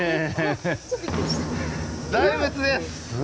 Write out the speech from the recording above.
大仏です。